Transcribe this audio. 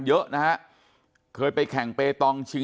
คุณยายบอกว่ารู้สึกเหมือนใครมายืนอยู่ข้างหลัง